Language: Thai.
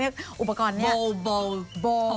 หัวต้นใบบ่งบวลบวล